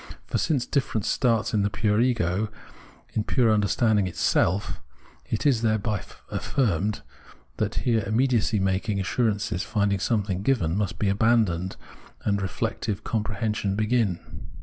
For since differ ence starts in the pure ego, in pure understanding itself. 228 Phenomenology of Mind it is thereby affirmed that here immediacy, making assurances, finding something given, must be abandoned, and reflective comprehension begin.